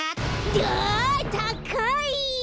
だったかい！